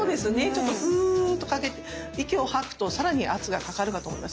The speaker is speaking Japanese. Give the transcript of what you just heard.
ちょっとフーッとかけて息を吐くと更に圧がかかるかと思います。